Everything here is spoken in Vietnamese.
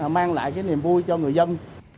mang lại niềm vui cho người dân